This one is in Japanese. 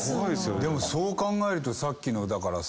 でもそう考えるとさっきのだからさ。